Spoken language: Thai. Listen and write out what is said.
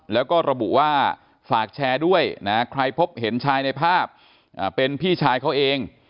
แล้วก็ระบุว่าฝากแชร์ด้วยนะใครพบเห็นชายในภาพเป็นพี่ชายเขาเอง